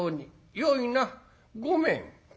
よいな？ごめん」。